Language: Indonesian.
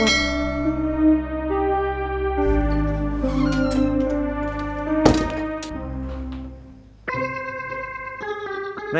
masuk kamu ke kamar